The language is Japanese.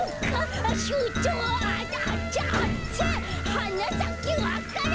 「はなさけわか蘭」